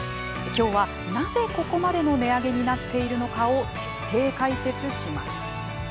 今日は、なぜここまでの値上げになっているのかを徹底解説します。